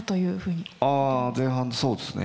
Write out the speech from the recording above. ああ前半そうっすね。